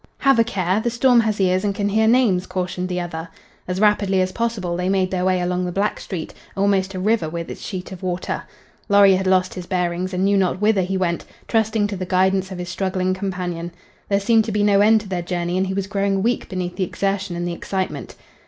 "Have a care! The storm has ears and can hear names," cautioned the other. As rapidly as possible they made their way along the black street, almost a river with its sheet of water. Lorry had lost his bearings, and knew not whither he went, trusting to the guidance of his struggling companion. There seemed to be no end to their journey, and he was growing weak beneath the exertion and the excitement.